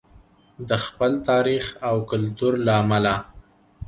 د خپل تاریخ او کلتور له امله.